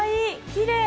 きれい！